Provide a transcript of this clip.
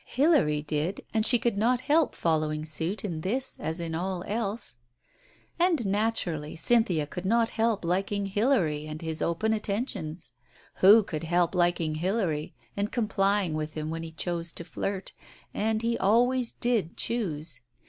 Hilary, did, and she could not help following suit in this as in all else. And, naturally, Cynthia could not help liking Hilary and his open attentions. Who could help liking Hilary and complying with him when he chose to flirt, and he always did choose?